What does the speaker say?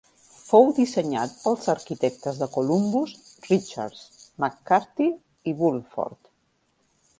Fou dissenyat pels arquitectes de Columbus Richards, McCarty i Bulford.